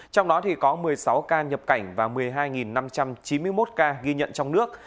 trong đó có một mươi sáu ca nhập cảnh và một mươi hai năm trăm chín mươi một ca ghi nhận trong nước